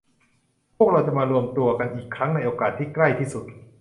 พวกเราจะมารวมตัวกันอีกครั้งในโอกาสที่ใกล้ที่สุด